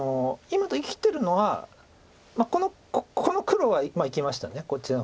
今生きてるのはこの黒は生きましたこっちの黒は。